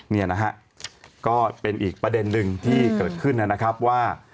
นี่นะฮะก็เป็นอีกประเด็นหนึ่งที่เกิดขึ้นนะครับว่า